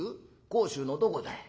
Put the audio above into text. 甲州のどこだい？」。